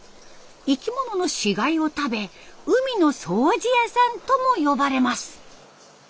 生き物の死骸を食べ海の掃除屋さんとも呼ばれます。